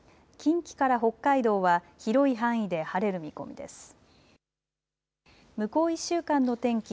近畿から北海道は広い範囲で晴れる見込みです。